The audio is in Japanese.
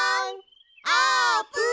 あーぷん！